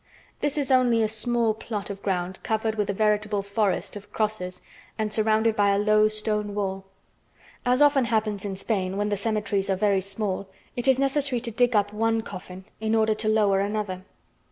This is only a small plot of ground covered with a veritable forest of crosses and surrounded by a low stone wall. As often happens in Spain, when the cemeteries are very small, it is necessary to dig up one coffin in order to lower another.